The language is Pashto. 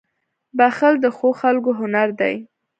• بښل د ښو خلکو هنر دی.